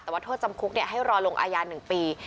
แต่ว่าโทษจำคุกให้รอลงอายา๑ปี